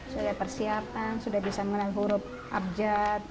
sudah ada persiapan sudah bisa mengenal huruf abjad